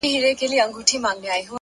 پرمختګ د تکراري هڅو حاصل دی.